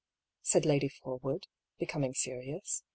" said Lady Forwood, be coming serious.